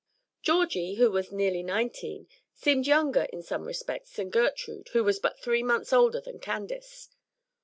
Georgie, who was nearly nineteen, seemed younger in some respects than Gertrude, who was but three months older than Candace.